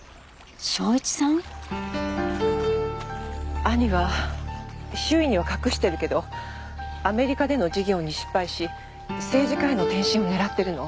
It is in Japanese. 義兄は周囲には隠してるけどアメリカでの事業に失敗し政治家への転身を狙ってるの。